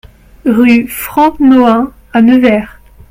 Rue Franc Nohain à Nevers